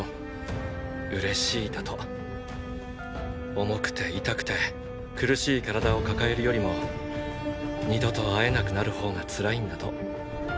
おもくて痛くて苦しい体を抱えるよりも二度と会えなくなる方がつらいんだと。